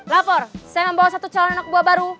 lapor saya membawa satu calon anak buah baru